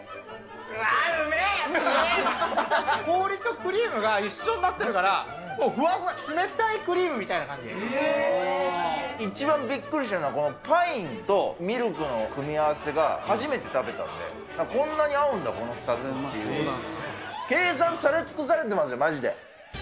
氷とクリームが一緒になってるから、ふわふわ、一番びっくりしたのは、このパインとミルクの組み合わせが、初めて食べたんで、こんなに合うんだ、この２つっていう計算され尽くされていますよ、まじで。